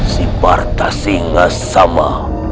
si bartasinya sama